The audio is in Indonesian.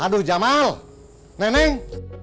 aduh jamal neneng